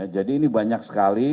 jadi ini banyak sekali